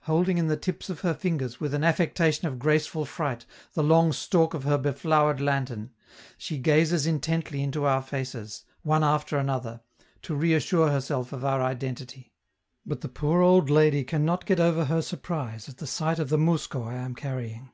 Holding in the tips of her fingers, with an affectation of graceful fright, the long stalk of her beflowered lantern, she gazes intently into our faces, one after another, to reassure herself of our identity; but the poor old lady can not get over her surprise at the sight of the mousko I am carrying.